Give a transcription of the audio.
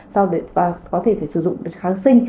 sau đó có thể phải sử dụng để kháng sinh